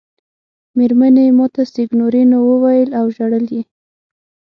مېرمنې یې ما ته سېګنورینو وویل او ژړل یې.